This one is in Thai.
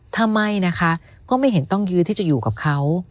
ถ้าไม่นะคะก็ไม่เห็นต้องยื้อที่จะอยู่กับเขา